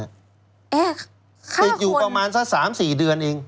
เอ๊ะฆ่าคนติดอยู่ประมาณซะ๓๔เดือนเอง